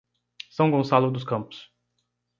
São Gonçalo dos Campos